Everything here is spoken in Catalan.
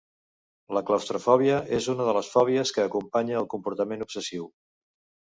La claustrofòbia és una de les fòbies que acompanya al comportament obsessiu.